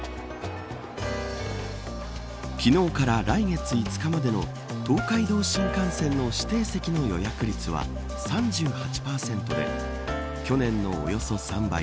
昨日から来月５日までの東海道新幹線の指定席の予約率は３８％で去年のおよそ３倍。